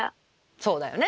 そうだよね。